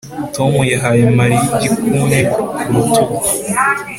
Tom yahaye Mariya igikumwe ku rutugu